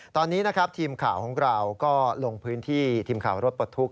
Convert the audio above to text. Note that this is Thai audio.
ตอนนี้นะครับทีมข่าวของเราก็ลงพื้นที่ทีมข่าวรถปลดทุกข